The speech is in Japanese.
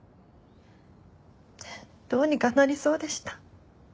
どうにかなりそうでした。